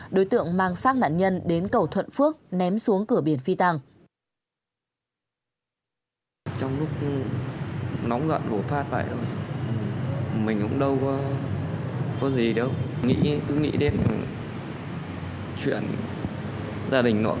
đối tượng mang sát nạn nhân đến cầu thuận phước ném xuống cửa biển phi tàng